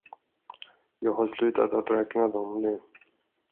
Jag har slutat att räkna dem nu.